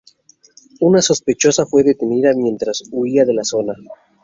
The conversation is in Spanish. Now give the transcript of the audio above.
Una sospechosa fue detenida mientras huía de la zona.